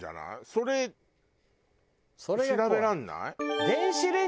それ調べられない？